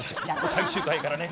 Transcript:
最終回やからね。